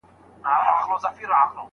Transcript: نوي شیان جوړول ښه دي.